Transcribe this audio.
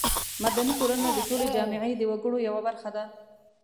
مدني ټولنه د ټولې جامعې د وګړو یوه برخه ده.